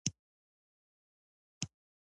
طرفداران پیدا کړي دي.